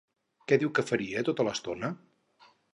Què diu que faria tota l'estona?